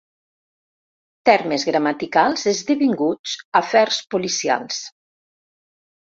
Termes gramaticals esdevinguts afers policials.